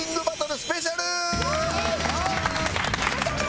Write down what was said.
スペシャル！